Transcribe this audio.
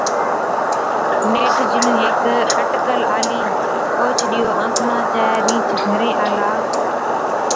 نيٺ جِنُون هيڪ اٽڪل آلِي، اوهچ ڏِيئو آنٿڻان چَي رِينڇ گھرين آلا،